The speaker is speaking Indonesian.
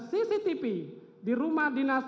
cctv di rumah dines